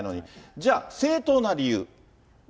じゃあ、正当な理由。